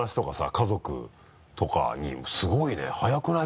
家族とかに「すごいね早くない？